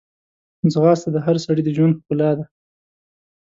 ځغاسته د هر سړي د ژوند ښکلا ده